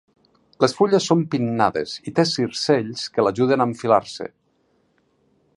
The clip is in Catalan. Les fulles són pinnades i té circells que l'ajuden a enfilar-se.